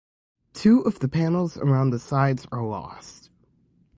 Two of the panels around the sides are lost.